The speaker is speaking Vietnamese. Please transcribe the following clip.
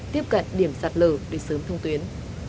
tiếp cận điểm sạt lở để sớm thông tuyến